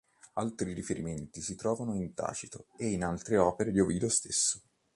Altri riferimenti si trovano in Tacito e in altre opere di Ovidio stesso.